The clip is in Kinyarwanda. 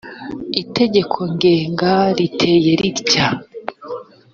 itegeko ngenga riteye ritya